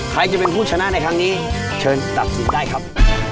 ใครจะเป็นผู้ชนะในครั้งนี้เชิญตัดสินได้ครับ